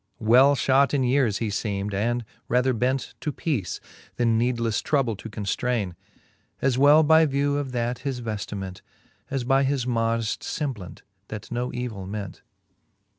Well {hot in yeares he {eem'd, and rather bent To peace, then needlefTe trouble to conftraine, As well by view of that his veftiment, And by his modeft femblant, that no evill ment.